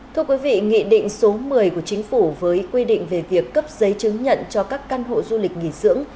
thưa quý vị nghị định số một mươi của chính phủ với quy định về việc cấp giấy chứng nhận cho các căn hộ du lịch nghỉ dưỡng